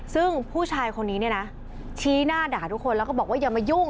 ซึ่งผู้ชายคนนี้เนี่ยนะชี้หน้าด่าทุกคนแล้วก็บอกว่าอย่ามายุ่ง